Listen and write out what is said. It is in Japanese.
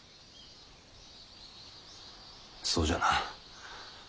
そうじゃな。